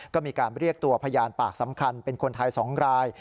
ก็มีการเรียกตัวพยานปากสำคัญเป็นคนไทย๒ราย